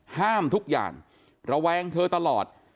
ห้ามทุกอย่างระแวงเธอตลอด